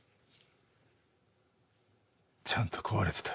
ちゃんと壊れてた。